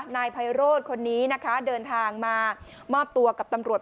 นายไพโรธคนนี้นะคะเดินทางมามอบตัวกับตำรวจ